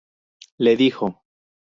Le dijo.